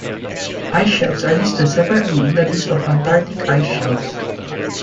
Ice shelves are listed separately in the List of Antarctic ice shelves.